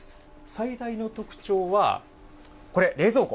最大の特徴は、これ、冷蔵庫。